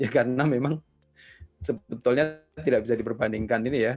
karena memang sebetulnya tidak bisa diperbandingkan ini ya